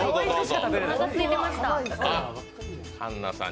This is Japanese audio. おなかすいていました。